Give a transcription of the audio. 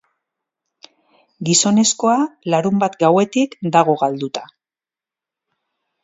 Gizonezkoa larunbat gauetik dago galduta.